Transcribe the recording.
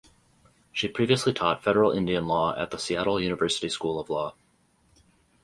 She previously taught Federal Indian Law at the Seattle University School of Law.